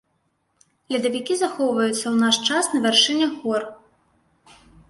Ледавікі захоўваюцца ў наш час на вяршынях гор.